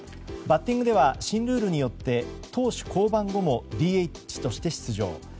バッティングでは新ルールによって投手降板後もＤＨとして出場。